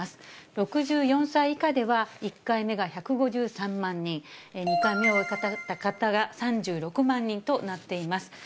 ６４歳以下では、１回目が１５３万人、２回目を終えた方が３６万人となっています。